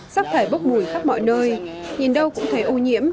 rác thải bốc mùi khắp mọi nơi nhìn đâu cũng thấy ô nhiễm